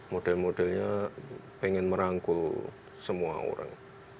model modelnya pengen merangkul semua orang